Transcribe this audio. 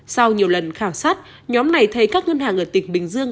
sau nhiều lần khảo sát nhóm này thấy các ngân hàng ở tỉnh bình dương